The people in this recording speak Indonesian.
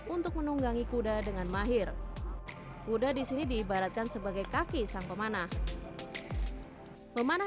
untuk menunggangi kuda dengan mahir kuda disini diibaratkan sebagai kaki sang pemanah memanah